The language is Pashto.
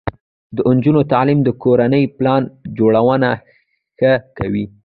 د نجونو تعلیم د کورنۍ پلان جوړونه ښه کوي.